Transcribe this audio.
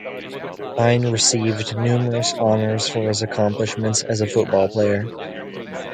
Hein received numerous honors for his accomplishments as a football player.